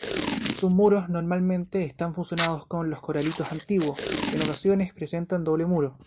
Sus muros normalmente están fusionados con los coralitos contiguos, en ocasiones presentan doble muro.